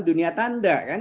dunia tanda kan